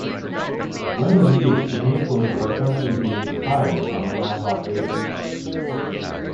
When in use, the vehicles are essentially being "hired on an ad hoc basis".